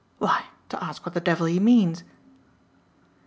"Why, to ask what the devil he means."